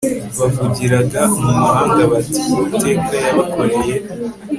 bavugiraga mu mahanga bati uwiteka yabakoreye